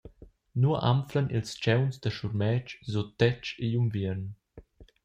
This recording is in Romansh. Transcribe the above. Nua anflan ils tgauns da schurmetg suttetg igl unviern?